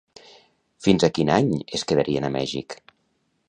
Fins a quin any es quedarien a Mèxic?